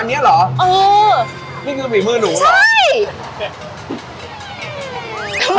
อันเนี้ยเหรอเออนี่ไม่เหอะหนูใช่